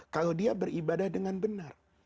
kalau dia beribadah dengan benar